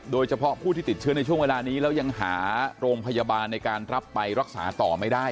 โดยเฉพาะผู้ที่ติดเชื้อในช่วงเวลานี้แล้วยังหาโรงพยาบาลในการรับไปรักษาต่อไม่ได้